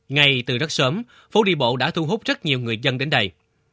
ngay từ rất sớm phố đi bộ đã thu hút rất nhiều người dân đến đây